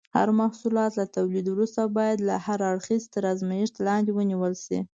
هر محصول له تولید وروسته باید له هر اړخه تر ازمېښت لاندې ونیول شي.